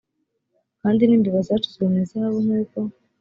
kandi n imbeba zacuzwe mu izahabu nk uko